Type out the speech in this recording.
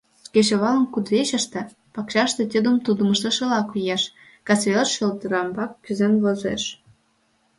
Кечывалым кудвечыште, пакчаште тидым-тудым ыштышыла коеш, кас велеш шӧлдрамбак кӱзен возеш.